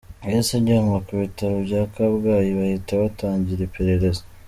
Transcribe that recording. Yahise ajyanwa ku bitaro bya Kabgayi, bahita batangira iperereza.